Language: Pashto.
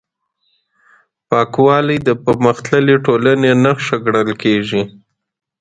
پاکوالی د پرمختللې ټولنې نښه ګڼل کېږي.